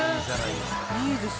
いいです。